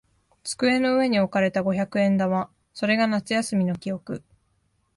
机の上に置かれた五百円玉。それが夏休みの記憶。